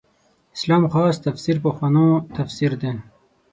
اسلام خاص تفسیر پخوانو تفسیر دی.